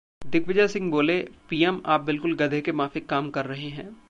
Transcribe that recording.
दिग्विजय सिंह बोले- पीएम, आप बिल्कुल गधे के माफिक काम कर रहे हैं